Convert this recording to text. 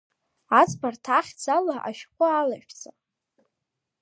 Аӡбарҭа ахьӡала ашәҟәы алашәҵа!